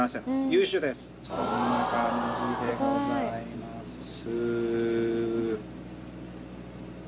こんな感じでございます。